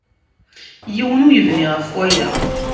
Yiwen ur yebni ɣef waya.